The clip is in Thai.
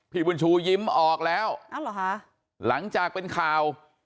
พี่บุญชูยิ้มออกแล้วหรอคะหลังจากเป็นข่าว